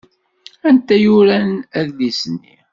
Anta i yuran adlis-nni?